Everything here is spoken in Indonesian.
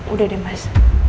udah deh mas